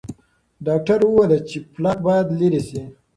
ډاکټر وویل چې پلاک باید لرې شي.